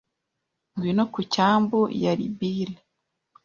ngwino ku cyambu, yari Billy. ”